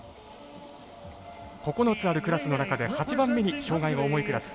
９つあるクラスの中で８番目に障がいが重いクラス。